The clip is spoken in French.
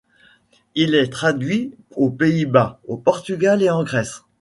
Il est traduit aux Pays-Bas, au Portugal et en Grèce.